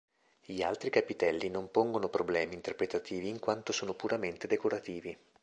Gli altri capitelli non pongono problemi interpretativi in quanto sono puramente decorativi.